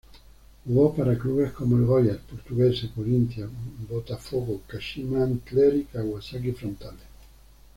Jugó para clubes como el Goiás, Portuguesa, Corinthians, Botafogo, Kashima Antlers y Kawasaki Frontale.